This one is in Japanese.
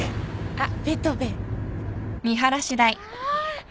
あっ。